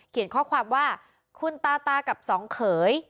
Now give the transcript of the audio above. ข้อความว่าคุณตาตากับสองเขย